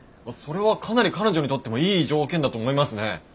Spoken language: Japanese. それはかなり彼女にとってもいい条件だと思いますね。